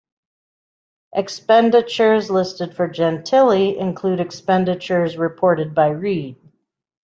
Expenditures listed for Gentili include expenditures reported by Reid.